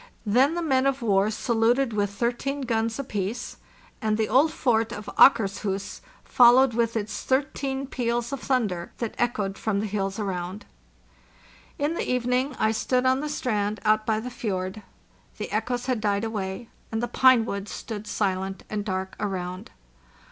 Then the men of war saluted with thirteen guns apiece, and the old fort of Akershus followed with its thirteen peals of thunder, that echoed from the hills around. In the evening I stood on the strand out by the fjord. The echoes had died away, and the pine woods stood silent and dark around.